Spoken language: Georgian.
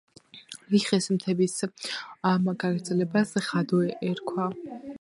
ლიხის მთების ამ გაგრძელებას ღადო ერქვა.